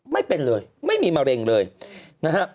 ไม่เป็นเลยไม่มีมะเร็งเลยนะฮะ